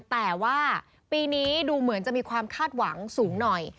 แต่ว่าปีนี้ดูเหมือนจะมีความคาดหวังสูงหน่อย